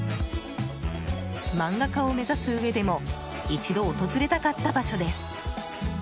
漫画家を目指すうえでも一度訪れたかった場所です。